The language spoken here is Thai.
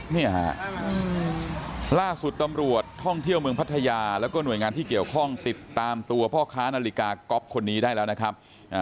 เนี่ยฮะล่าสุดตำรวจท่องเที่ยวเมืองพัทยาแล้วก็หน่วยงานที่เกี่ยวข้องติดตามตัวพ่อค้านาฬิกาก๊อฟคนนี้ได้แล้วนะครับ